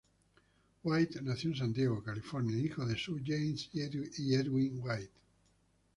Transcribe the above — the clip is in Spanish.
White nació en San Diego, California, hija de Sue Jane y Edwin White.